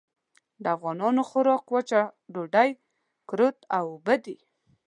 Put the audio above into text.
د افغانانو خوراک وچه ډوډۍ، کُرت او اوبه دي.